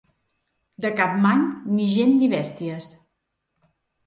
De Capmany, ni gent ni bèsties.